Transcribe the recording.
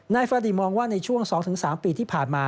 ฟาดีมองว่าในช่วง๒๓ปีที่ผ่านมา